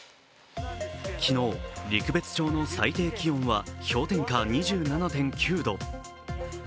昨日、陸別町の最低気温は氷点下２７．９度。